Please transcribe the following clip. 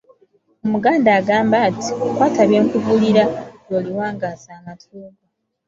Omuganda agamba nti, "kwata byenkubuulira lw'oliwangaaza amatu go"